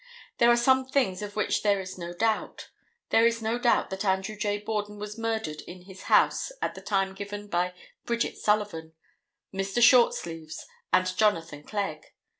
There are some things of which there is no doubt. There is no doubt that Andrew J. Borden was murdered in his house at the time given by Bridget Sullivan, Mr. Shortsleeves and Jonathan Clegg.